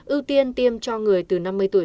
ưu tiên tiêm cho người từ năm mươi tuổi